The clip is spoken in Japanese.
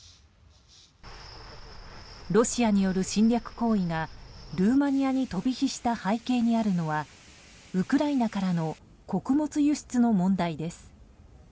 ロシアによる侵略行為がルーマニアに飛び火した背景にあるのはウクライナからの穀物輸出の問題です。